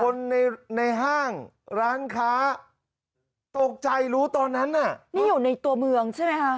คนในในห้างร้านค้าตกใจรู้ตอนนั้นน่ะนี่อยู่ในตัวเมืองใช่ไหมคะ